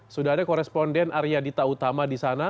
sudah ada koresponden arya dita utama di sana